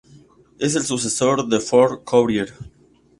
Es el sucesor de la Ford Courier.